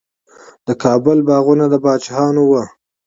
د کابل باغونه د پاچاهانو وو.